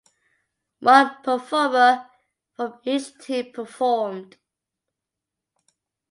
One performer from each team performed.